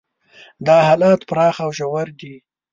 دا حالات پراخ او ژور دي.